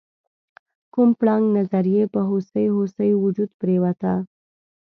کوم پړانګ نظر یې په هوسۍ هوسۍ وجود پریوته؟